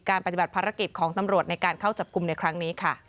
ปฏิบัติภารกิจของตำรวจในการเข้าจับกลุ่มในครั้งนี้ค่ะ